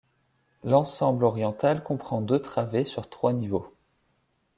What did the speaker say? L’ensemble oriental comprend deux travées sur trois niveaux.